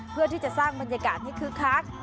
เพื่อที่จะสร้างบรรยากาศให้คึกคัก